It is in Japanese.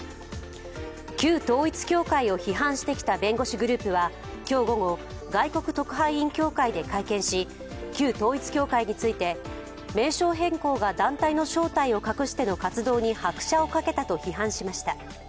旧統一教会を批判してきた弁護士グループは今日午後、外国特派員協会で会見し、旧統一教会について名称変更が団体の正体を隠しての活動に拍車をかけたと批判しました。